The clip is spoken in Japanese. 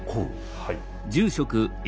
はい。